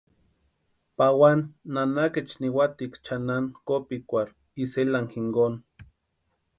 Pawani nanakaecha niwatiksï chʼanani kopikwarhu Isela jinkoni.